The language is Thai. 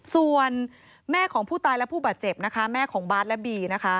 ส่วนแม่ของผู้ตายและผู้บาดเจ็บแม่ของบาทและบี